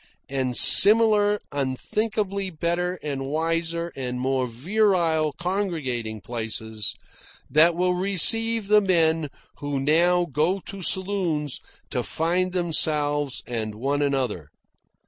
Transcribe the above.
and similar unthinkably better and wiser and more virile congregating places, that will receive the men who now go to saloons to find themselves and one another.